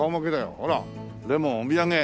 ほらレモンお土産。